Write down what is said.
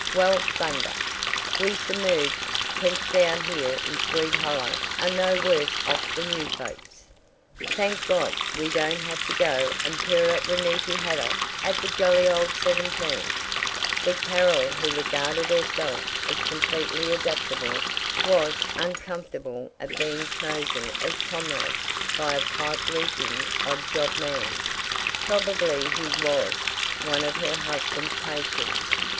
Well, thunder, we submerged tenth down here in Swede Hollow are no worse off than you folks. Thank God, we don't have to go and purr at Juanity Haydock at the Jolly Old Seventeen." The Carol who regarded herself as completely adaptable was uncomfortable at being chosen as comrade by a pipe reeking odd job man. Probably he was one of her husband's patients.